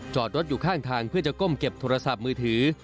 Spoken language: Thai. จอดรถอยู่ข้างทางเพื่อจะก้มเก็บโทรศัพท์มือถือ